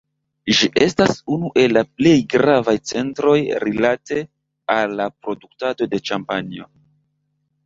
Ĝi estas unu el la plej gravaj centroj rilate al la produktado de ĉampanjo.